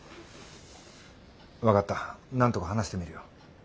分かったなんとか話してみるよ。